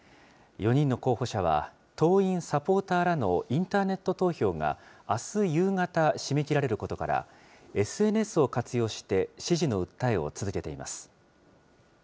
４人の候補者は、党員・サポーターらのインターネット投票が、あす夕方、締め切られることから、ＳＮＳを活用して、支持の訴えを続けています。